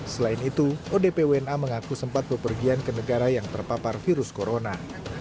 selain itu odp wna mengaku sempat berpergian ke negara yang terpapar virus corona